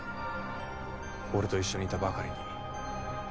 俺と一緒にいたばかりに。